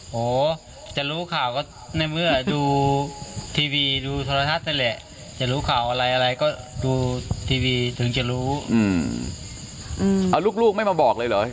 โหจะรู้ข่าวก็ในเมื่อดูทีวีดูโทรทัศน์นั่นแหละจะรู้ข่าวอะไรอะไรก็ดูทีวีถึงจะรู้เอาลูกไม่มาบอกเลยเหรอ